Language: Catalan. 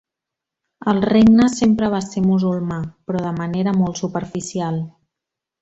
El regne sempre va ser musulmà, però de manera molt superficial.